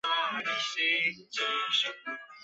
所属经纪公司为。